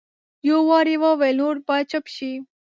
یو وار یې وویل نور باید چپ شئ.